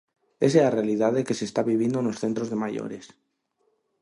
Esa é a realidade que se está vivindo nos centros de maiores.